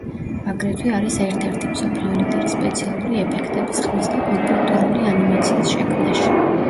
აგრეთვე არის ერთ-ერთი მსოფლიო ლიდერი სპეციალური ეფექტების, ხმის და კომპიუტერული ანიმაციის შექმნაში.